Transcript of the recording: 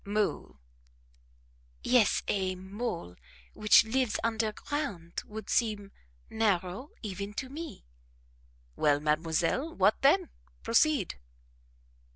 "Mole." "Yes a mole, which lives underground would seem narrow even to me." "Well, mademoiselle what then? Proceed."